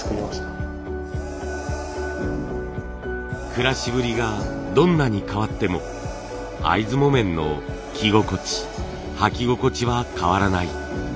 暮らしぶりがどんなに変わっても会津木綿の着心地履き心地は変わらない。